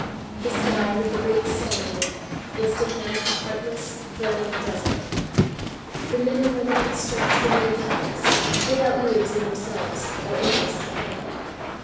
The sky, with the great sun in it, was to him a heartless, burning desert. The men and women in the streets were mere puppets, without motives in themselves, or interest to him.